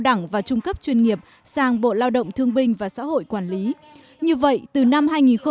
đẳng và trung cấp chuyên nghiệp sang bộ lao động thương binh và xã hội quản lý như vậy từ năm hai nghìn một mươi